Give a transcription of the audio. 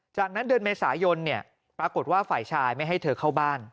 จากนั้นเดือนเมษายนปรากฏว่าฝ่ายชายไม่ให้เธอเข้าบ้าน